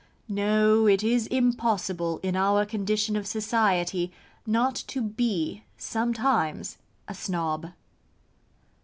No it is impossible in our condition of society, not to be sometimes a Snob.